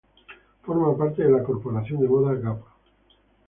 Forma parte de la corporación de moda Gap.